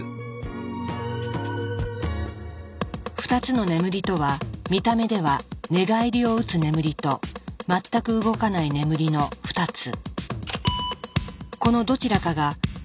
２つの眠りとは見た目では寝返りをうつ眠りと全く動かない眠りの２つ。